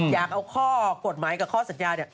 อยากเอาข้อกฎหมายกับข้อสัญญาเนี่ย